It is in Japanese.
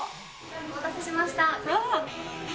お待たせしました。